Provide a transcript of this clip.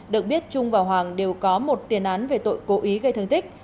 được biết trung và hoàng đều có một tiền án về tội cố ý gây thương tích